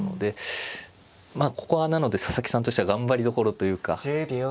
ここはなので佐々木さんとしては頑張りどころというか。